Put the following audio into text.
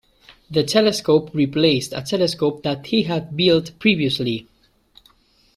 The telescope replaced a telescope that he had built previously.